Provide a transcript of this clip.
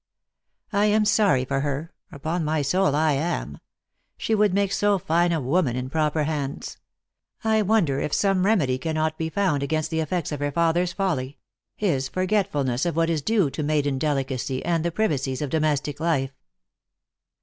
"I am sorry for her, upon my soul I am. She would make so fine a woman in proper hands ! I wonder if some remedy cannot be found against the effects of her father s folly his forgetfulness of what is due to maiden delicacy and the privacies of domes tic life